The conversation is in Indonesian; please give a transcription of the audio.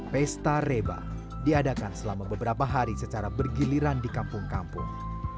pesta reba diadakan selama beberapa hari secara bergiliran di kampung kampung